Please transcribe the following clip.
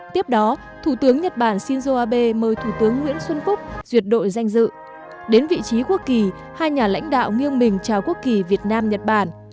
tiếp đó thủ tướng nhật bản shinzo abe mời thủ tướng nguyễn xuân phúc duyệt đội danh dự đến vị trí quốc kỳ hai nhà lãnh đạo nghiêng mình chào quốc kỳ việt nam nhật bản